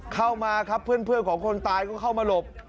เข้ามาครับเพื่อนของคนตายก็เข้ามาหลบ